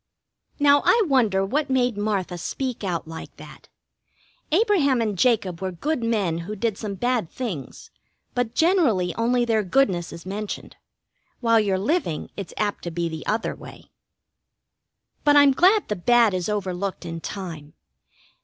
Now I wonder what made Martha speak out like that? Abraham and Jacob were good men who did some bad things, but generally only their goodness is mentioned. While you're living it's apt to be the other way. But I'm glad the bad is overlooked in time.